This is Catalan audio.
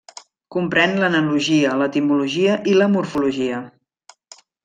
Comprèn l'analogia, l'etimologia, i la morfologia.